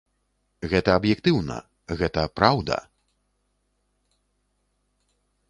Гэта аб'ектыўна, гэта праўда!